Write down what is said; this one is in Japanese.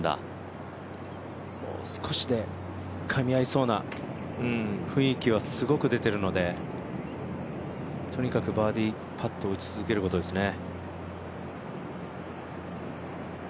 もう少しでかみ合いそうな雰囲気はすごく出てるのでとにかくバーディーパットを打ち続けることですね。